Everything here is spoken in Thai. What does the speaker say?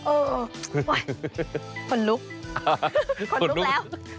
เออคนลุกคนลุกแล้ว